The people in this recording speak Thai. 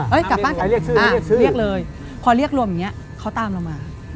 เอ้ยกลับบ้านกันกันเรียกเลยพอเรียกรวมอย่างนี้เขาตามเรามา